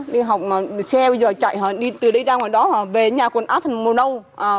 đi học mà xe bây giờ chạy đi từ đây ra ngoài đó về nhà còn áp thành màu nâu